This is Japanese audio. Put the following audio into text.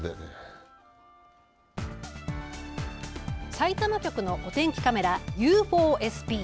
さいたま局のお天気カメラＵ‐４ＳＰ。